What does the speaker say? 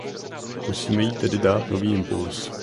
Musíme jí tedy dát nový impuls.